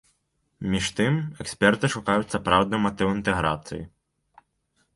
Між тым, эксперты шукаюць сапраўдны матыў інтэграцыі.